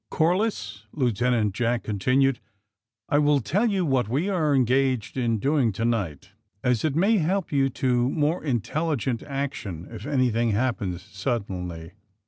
*' Corliss,'^ Lieutenant Jack continued, *^I will tell you just what we are engaged in doing to night, as it may hel^D you to more intelligent action if anything happens suddenly.